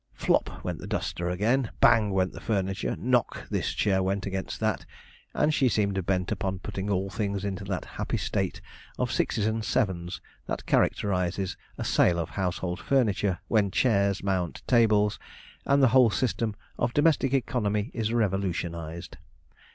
'Flop' went the duster again; 'bang' went the furniture; 'knock' this chair went against that, and she seemed bent upon putting all things into that happy state of sixes and sevens that characterizes a sale of household furniture, when chairs mount tables, and the whole system of domestic economy is revolutionized.